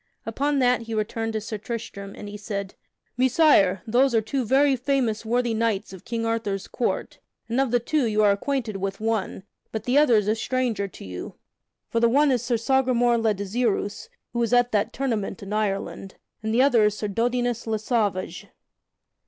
Upon that he returned to Sir Tristram, and said: "Messire, those are two very famous worthy knights of King Arthur's Court, and of the two you are acquainted with one, but the other is a stranger to you. For the one is Sir Sagramore le Desirous, who was at that tournament in Ireland, and the other is Sir Dodinas le Sauvage."